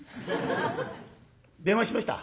電話しました。